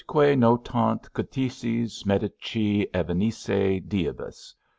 IDQUE NOTANT CRITICIS MEDICI EVENISSE DIEBUS.